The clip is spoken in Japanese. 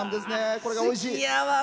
これがおいしい。